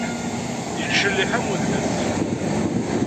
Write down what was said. Ittcelliḥ am udles.